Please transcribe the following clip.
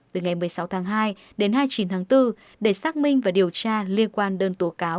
từ ngày một mươi sáu tháng hai đến hai mươi chín tháng bốn để xác minh và điều tra liên quan đơn tố cáo